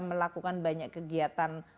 melakukan banyak kegiatan